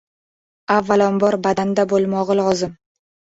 Avvalambor, badanda bo‘lmog‘i lozim!